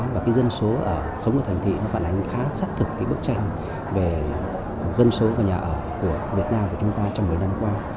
và cái dân số sống ở thành thị nó phản ánh khá xác thực cái bức tranh về dân số và nhà ở của việt nam của chúng ta trong một mươi năm qua